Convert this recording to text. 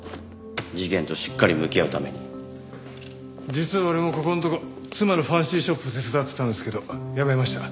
実は俺もここんとこ妻のファンシーショップ手伝ってたんですけどやめました。